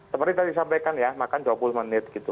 pemerintah disampaikan ya makan dua puluh menit gitu